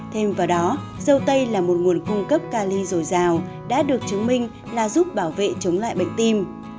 thêm vào đó dâu tây là một nguồn cung cấp ca ly dồi dào đã được chứng minh là giúp bảo vệ chống lại bệnh tim